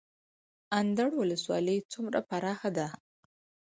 اندړ ولسوالۍ څومره پراخه ده؟